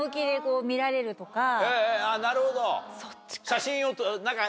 なるほど。